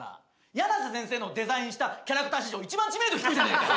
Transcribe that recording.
やなせ先生のデザインしたキャラクター史上いちばん知名度低いじゃねぇかよ。